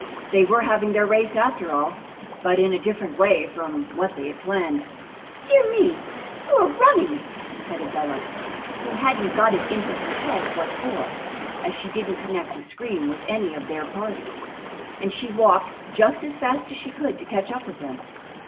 They were having their race, after all, but in a different way from what they had planned. "Dear me! you are running!" said Adela, who hadn't got it into her head what for, as she didn't connect the scream with any of their party. And she walked just as fast as she could to catch up with them.